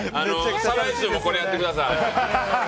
再来週もこれやってください。